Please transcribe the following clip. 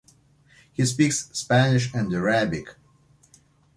He speaks Spanish and Arabic.